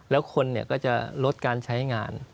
แล้วคนก็จะลดการใช้งาน